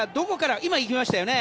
今、行きましたよね。